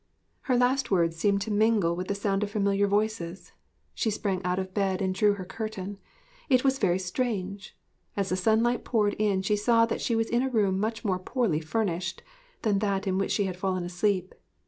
Her last words seemed to mingle with the sound of familiar voices. She sprang out of bed and drew her curtain.... It was very strange! As the sunlight poured in she saw that she was in a room much more poorly furnished than that in which she had fallen asleep.